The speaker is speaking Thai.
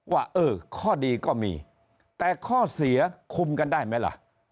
ว่าเออข้อดีก็มีแต่ข้อเสียคุมกันได้ไหมล่ะ